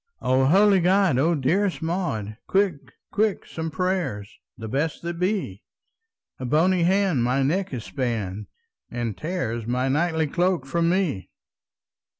"O holy God! O dearest Maud, Quick, quick, some prayers, the best that be! A bony hand my neck has spanned, And tears my knightly cloak from me!"